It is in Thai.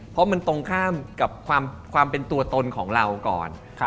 เพราะมันตรงข้ามกับความเป็นตัวตนของเราก่อน